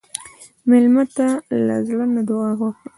مېلمه ته له زړه نه دعا وکړه.